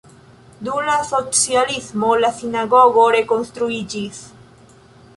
Dum la socialismo la sinagogo rekonstruiĝis.